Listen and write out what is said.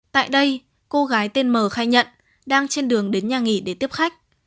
tại đây cô gái tên m khai nhận đang trên đường đến nhà nghỉ để tiếp khách